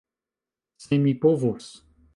Se mi povus!